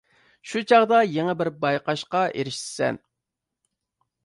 شۇ چاغدا يېڭى بىر بايقاشقا ئېرىشىسەن.